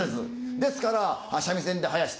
ですから三味線ではやして。